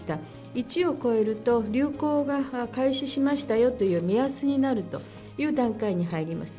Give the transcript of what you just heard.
１を超えると、流行が開始しましたよという目安になるという段階に入ります。